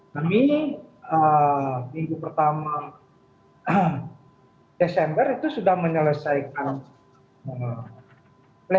tapi minggu pertama desember itu sudah menyelesaikan pleno